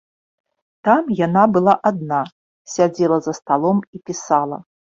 Там яна была адна, сядзела за сталом і пісала.